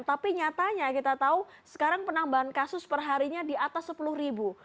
tapi nyatanya kita tahu sekarang penambahan kasus perharinya di atas sepuluh ribu